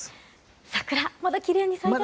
桜、まだきれいに咲いてますね。